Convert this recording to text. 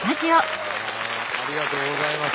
ありがとうございます。